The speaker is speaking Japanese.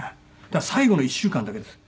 だから最後の１週間だけです。